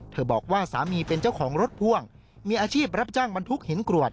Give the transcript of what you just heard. บอกว่าสามีเป็นเจ้าของรถพ่วงมีอาชีพรับจ้างบรรทุกหินกรวด